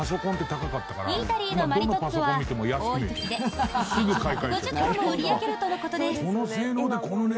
イータリーのマリトッツォは多い時で１日１５０個も売り上げるとのことです。